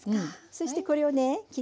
そしてこれをね切りますね。